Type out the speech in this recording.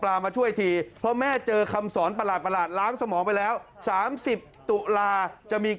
เดี๋ยวเราพวกเราจะบอกพวกเจ้าหมอว่าอีกลูกคลายต่อละยก